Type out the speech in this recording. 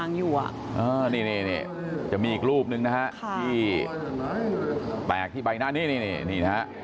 นี่มีอีกรูปหนึ่งนะครับที่แปลกที่ใบหน้านี้